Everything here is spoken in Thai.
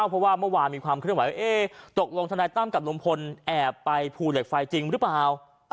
เพราะว่าเมื่อวานมีความเคลื่อนไหวว่าตกลงทนายตั้มกับลุงพลแอบไปภูเหล็กไฟจริงหรือเปล่า